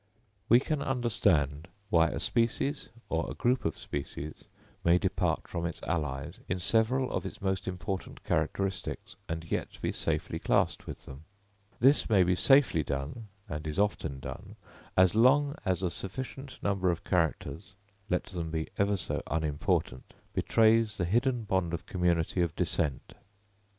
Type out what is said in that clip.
We can understand why a species or a group of species may depart from its allies, in several of its most important characteristics, and yet be safely classed with them. This may be safely done, and is often done, as long as a sufficient number of characters, let them be ever so unimportant, betrays the hidden bond of community of descent.